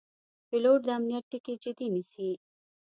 پیلوټ د امنیت ټکي جدي نیسي.